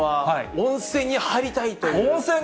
温泉に入りたい？